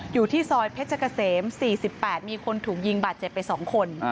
อยู่ที่ซอยเพชรเกษม๔๘มีคนถูกยิงบาดเจ็บไป๒คน